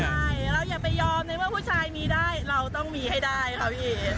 ใช่เราอย่าไปยอมในเมื่อผู้ชายมีได้เราต้องมีให้ได้ค่ะพี่